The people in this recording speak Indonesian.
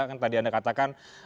kan tadi anda katakan